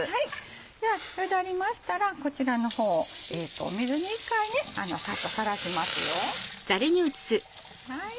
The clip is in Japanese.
ではゆで上がりましたらこちらの方水に１回サッとさらします。